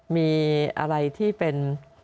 มีอะไรที่เป็น